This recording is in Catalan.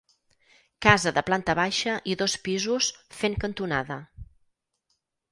Casa de planta baixa i dos pisos, fent cantonada.